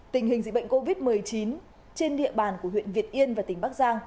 tình hình dịch bệnh covid một mươi chín trên địa bàn của huyện việt yên và tỉnh bắc giang